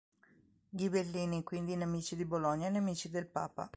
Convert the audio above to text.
Ghibellini quindi nemici di Bologna e nemici del Papa.